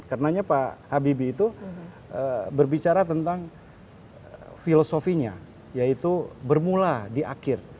karena pak habibie itu berbicara tentang filosofinya yaitu bermula di akhir